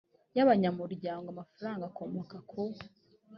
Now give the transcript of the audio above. y abanyamuryango amafaranga akomoka ku